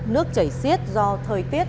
nước chảy xiết do thời tiết